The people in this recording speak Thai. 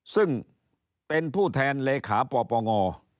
ซึ่งเป็นผู้แทนเลขาปปง